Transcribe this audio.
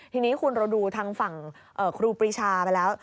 ทีนี้คุณเราดูทางฝั่งครูปรีชาไปแล้ว